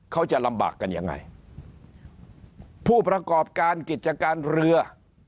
เขาจะลำบากกันยังไงผู้ประกอบการกิจการเรือ